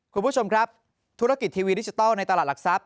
คุณผู้ชมครับธุรกิจทีวีดิจิทัลในตลาดหลักทรัพย